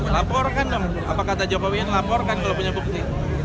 laporkan dong apa kata jokowi yang laporkan kalau punya bukti